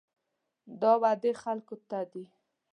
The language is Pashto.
دا وعدې خلکو ته دي.